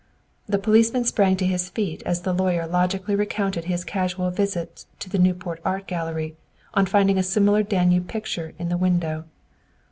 The policeman sprang to his feet as the lawyer logically recounted his casual visits to the Newport Art Gallery, on finding a similar Danube picture in the window.